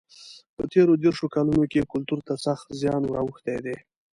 په تېرو دېرشو کلونو کې کلتور ته سخت زیان ور اوښتی دی.